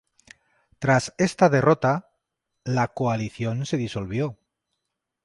Tras esta derrota, la coalición se disolvió.